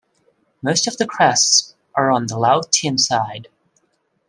Most of the crests are on the Laotian side.